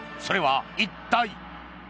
それは一体。